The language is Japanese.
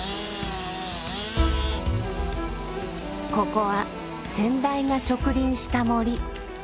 ここは先代が植林した森。